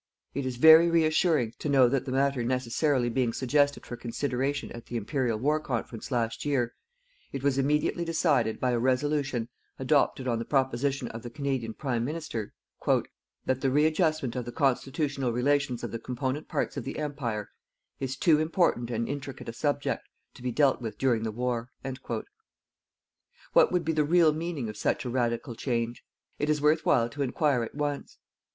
It is very reassuring to know that the matter necessarily being suggested for consideration at the Imperial War Conference, last year, it was immediately decided, by a "Resolution," adopted on the proposition of the Canadian Prime Minister, "THAT THE READJUSTMENT OF THE CONSTITUTIONAL RELATIONS OF THE COMPONENT PARTS OF THE EMPIRE IS TOO IMPORTANT AND INTRICATE A SUBJECT TO BE DEALT WITH DURING THE WAR." What would be the real meaning of such a radical change? It is worth while to enquire at once.